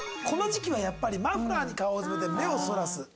この時期はやっぱりマフラーに顔をうずめて目をそらす。